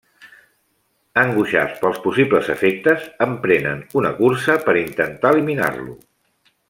Angoixats pels possibles efectes emprenen una cursa per intentar eliminar-lo.